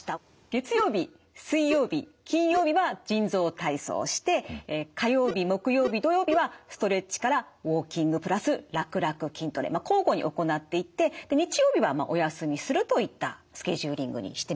月曜日水曜日金曜日は腎臓体操をして火曜日木曜日土曜日はストレッチからウォーキング＋らくらく筋トレ交互に行っていって日曜日はお休みするといったスケジューリングにしてみました。